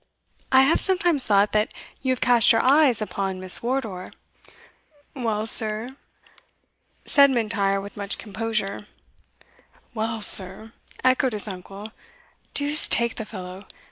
"I have sometimes thought that you have cast your eyes upon Miss Wardour." "Well, sir," said M'Intyre, with much composure. "Well, sir," echoed his uncle "Deuce take the fellow!